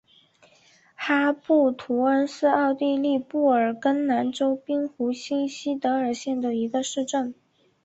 哈布图恩是奥地利布尔根兰州滨湖新锡德尔县的一个市镇。